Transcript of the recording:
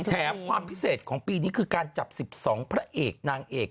ความพิเศษของปีนี้คือการจับ๑๒พระเอกนางเอก